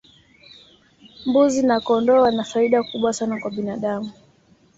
mbuzi na kondoo wana faida kubwa sana kwa binadamu